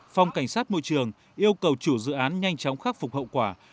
phòng cảnh sát môi trường yêu cầu chủ dự án nhanh chóng khắc phục hậu quả